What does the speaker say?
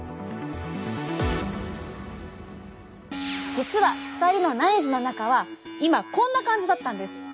実は２人の内耳の中は今こんな感じだったんです。